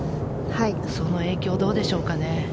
その影響はどうでしょうかね。